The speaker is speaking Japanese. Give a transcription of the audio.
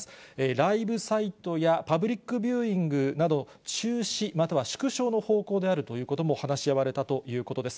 ライブサイトやパブリックビューイングなど、中止、または縮小の方向であるということも話し合われたということです。